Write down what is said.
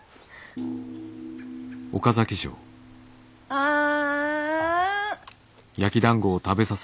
あん。